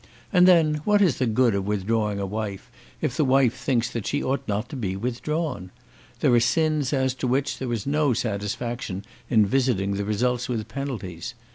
And then, what is the good of withdrawing a wife, if the wife thinks that she ought not to be withdrawn? There are sins as to which there is no satisfaction in visiting the results with penalties.